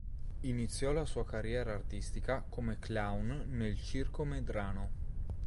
Iniziò la sua carriera artistica come clown nel Circo Medrano.